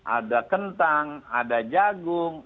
ada kentang ada jagung